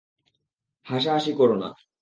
হাসাহাসি কোরো না।